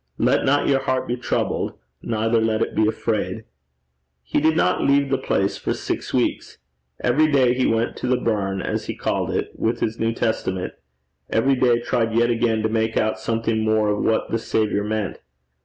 Let not your heart be troubled, neither let it be afraid.' He did not leave the place for six weeks. Every day he went to the burn, as he called it, with his New Testament; every day tried yet again to make out something more of what the Saviour meant.